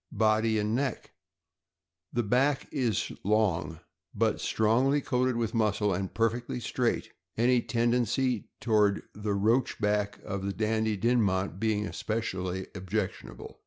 Body and neck. — The back is long, but strongly coated with muscle and perfectly straight, any tendency toward the roach back of the Dandie Dinmont being especially objectionable.